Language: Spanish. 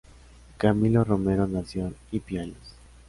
Camilo Romero nació en Ipiales.